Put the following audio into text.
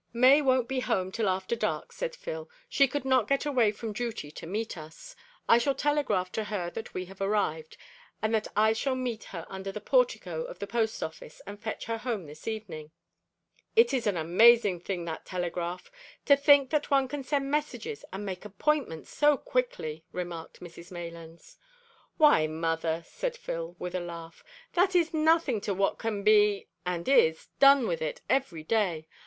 "May won't be home till after dark," said Phil. "She could not get away from duty to meet us. I shall telegraph to her that we have arrived, and that I shall meet her under the portico of the Post Office and fetch her home this evening." "It is an amazing thing that telegraph! To think that one can send messages and make appointments so quickly!" remarked Mrs Maylands. "Why, mother," said Phil, with a laugh, "that is nothing to what can be and is done with it every day.